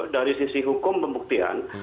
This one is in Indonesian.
dari sisi hukum pembuktian